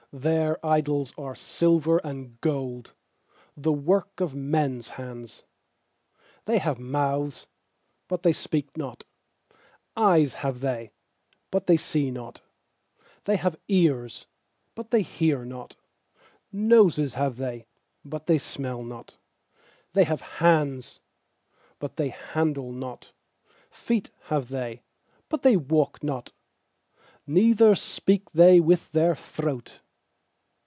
4Their idols are silver and gold, The work of men's hands. sThey have mouths, but they speak not; Eyes have they, but they see not; 6They have ears, but they hear not; Noses have they, but they smell not; 7They have hands, but they handle not; Feet have they, but they walk not; Neither speak they With their throat.